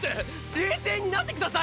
冷静になってください！！